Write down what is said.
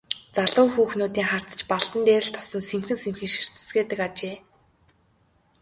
Залуу хүүхнүүдийн харц ч Балдан дээр л тусан сэмхэн сэмхэн ширтэцгээдэг ажээ.